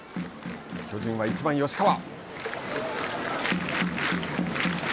巨人は１番吉川。